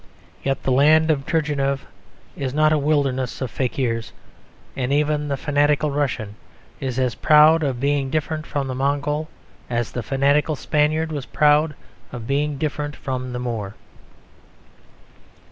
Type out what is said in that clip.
Yet the land of Turgenev is not a wilderness of fakirs; and even the fanatical Russian is as proud of being different from the Mongol, as the fanatical Spaniard was proud of being different from the Moor.